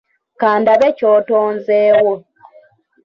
Kandabe ky'otonzeewo.